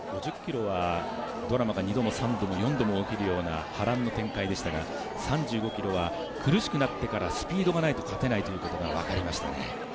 ５０ｋｍがドラマが２度も３度も４度も起きるような波乱の展開でしたが３５ｋｍは苦しくなってからスピードがないと勝てないということが分かりましたね。